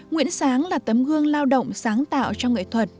nguyễn sáng là tấm gương lao động sáng tạo trong nghệ thuật